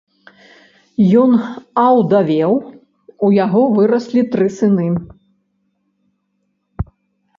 Ён аўдавеў, у яго выраслі тры сыны.